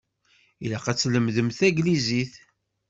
Ilaq ad tlemdem taglizit.